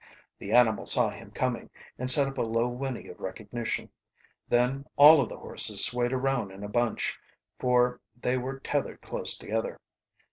The animal saw him coming and set up a low whinny of recognition. Then all of the horses swayed around in a bunch, for they were tethered close together.